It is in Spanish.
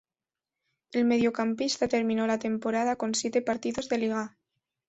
El mediocampista terminó la temporada con siete partidos de liga.